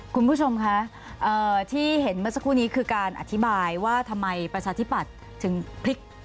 คุณผู้ชมคะที่เห็นเมื่อสักครู่นี้คือการอธิบายว่าทำไมประชาธิปัตย์ถึงพลิก